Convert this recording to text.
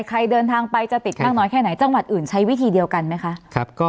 ใครเดินทางไปจะติดมากน้อยแค่ไหนจังหวัดอื่นใช้วิธีเดียวกันไหมคะ